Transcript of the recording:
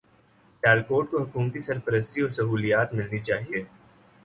سیالکوٹ کو حکومتی سرپرستی و سہولیات ملنی چاہیے